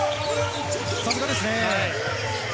さすがですね。